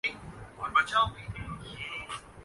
Abu Dhabi میں Misbah eleven کیخلاف Moeen Ali English team کے مددگار